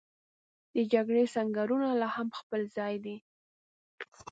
د جګړې سنګرونه لا هم په خپل ځای دي.